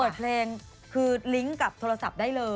เปิดเพลงคือลิงก์กับโทรศัพท์ได้เลย